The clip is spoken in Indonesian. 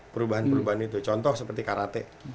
perubahan perubahan itu contoh seperti karate